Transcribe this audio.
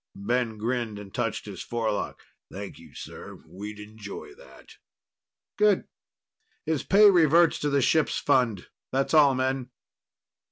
Ben grinned and touched his forelock. "Thank you, sir. We'd enjoy that." "Good. His pay reverts to the ship's fund. That's all, men."